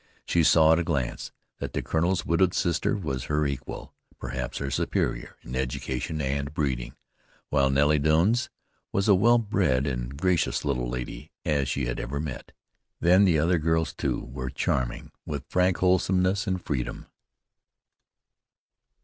She saw at a glance that the colonel's widowed sister was her equal, perhaps her superior, in education and breeding, while Nellie Douns was as well bred and gracious a little lady as she had ever met. Then, the other girls, too, were charming, with frank wholesomeness and freedom.